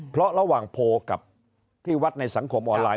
เพราะระหว่างโพลกับที่วัดในสังคมออนไลน